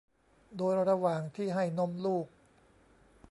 โดยระหว่างที่ให้นมลูก